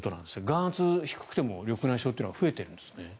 眼圧低くても緑内障は増えているんですね。